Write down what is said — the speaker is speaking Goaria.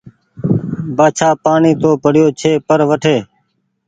بآڇآ پآڻيٚ تو پڙيو ڇي پر وٺي